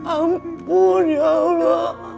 ampun ya allah